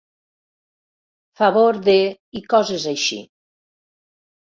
Favor de i coses així.